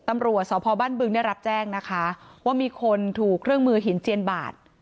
ตำรวจสพบ้านบึงได้รับแจ้งนะคะว่ามีคนถูกเครื่องมือหินเจียนบาด